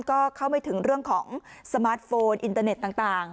ก็เข้าไม่ถึงเรื่องของสมาร์ทโฟนอินเตอร์เน็ตต่าง